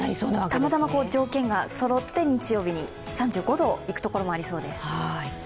たまたま条件がそろって日曜日に３５度いくところもありそうです。